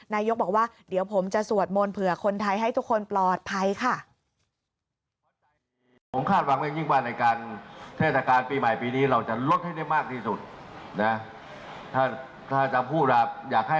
นายกบอกว่าเดี๋ยวผมจะสวดมนต์เผื่อคนไทยให้ทุกคนปลอดภัยค่ะ